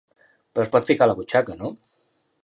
Però es pot ficar a la butxaca, no?